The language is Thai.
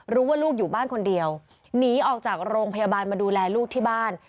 รู้ว่าลูกอยู่บ้านคนเดียวหนีออกจากโรงพยาบาลมาดูแลลูกที่บ้าน